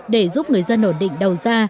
để giúp người dân ổn định đầu ra